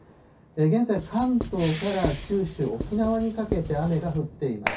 現在、関東から九州、沖縄にかけて雨が降っています。